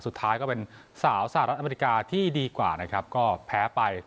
สุดท้ายก็เป็นสาวสหรัฐอเมริกาที่ดีกว่านะครับก็แพ้ไป